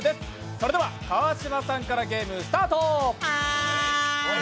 それでは川島さんからゲームスタート。